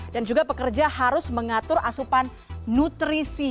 dan juga pekerja harus mengatur asupan nutrisi